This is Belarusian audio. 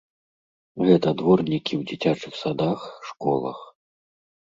Гэта дворнікі ў дзіцячых садах, школах.